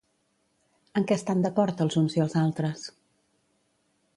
En què estan d'acord els uns i els altres?